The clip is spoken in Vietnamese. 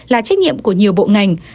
là trách nhiệm của nhiều bộ ngành